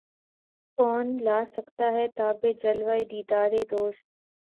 کون لا سکتا ہے تابِ جلوۂ دیدارِ دوست